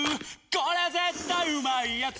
これ絶対うまいやつ」